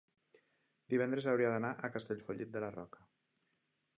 divendres hauria d'anar a Castellfollit de la Roca.